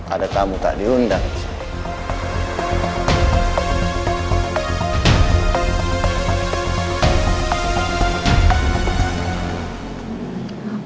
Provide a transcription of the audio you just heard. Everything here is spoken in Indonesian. ada tamu tak diundang